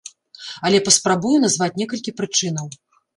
Але паспрабую назваць некалькі прычынаў.